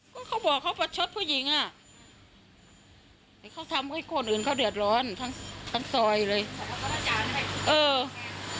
ก็เขาบอกเขาประชดผู้หญิงอ่ะแต่เขาทำให้คนอื่นเขาเดือดร้อนทั้งทั้งซอยเลยเออ